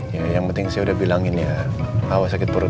ya yang penting saya udah bilangin ya hawa sakit perut